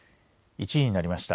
１時になりました。